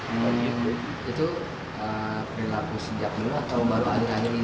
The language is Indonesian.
itu berlaku sejak dulu atau baru baru ini setelah rangin